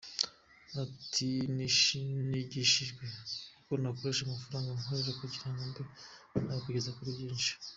Ati “Nigishijwe uko nakoresha amafaranga nkorera kugira ngo mbe nakwigeza kuri byinshi.